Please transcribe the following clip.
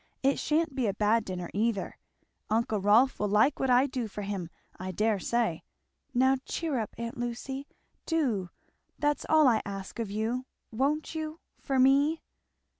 It sha'n't be a bad dinner either. Uncle Rolf will like what I do for him I dare say. Now cheer up, aunt Lucy! do that's all I ask of you. Won't you? for me?"